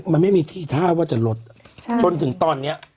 มันไม่มีทีท่าว่าจะลดจนถึงตอนนี้